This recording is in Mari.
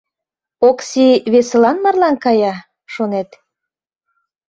Окси весылан марлан кая, шонет?..